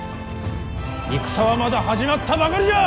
戦はまだ始まったばかりじゃ！